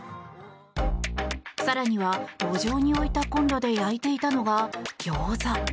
更には路上に置いたコンロで焼いていたのがギョーザ。